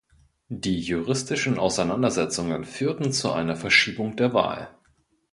Die juristischen Auseinandersetzungen führten zu einer Verschiebung der Wahl.